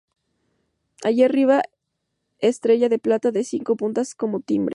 Arriba, estrella de plata, de cinco puntas, como timbre.